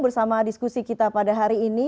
bersama diskusi kita pada hari ini